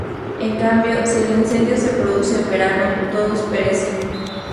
En cambio si el incendio se produce en verano, todos perecen.